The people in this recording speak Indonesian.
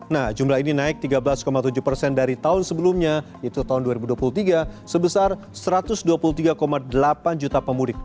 nah jumlah ini naik tiga belas tujuh dari tahun sebelumnya itu tahun dua ribu dua puluh tiga sebesar satu ratus dua puluh tiga delapan juta pemudik